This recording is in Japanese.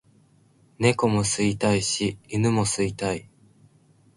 猫を吸いたいし犬も吸いたい